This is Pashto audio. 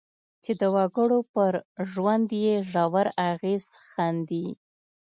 چې د وګړو پر ژوند یې ژور اغېز ښندي.